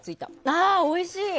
あー、おいしい！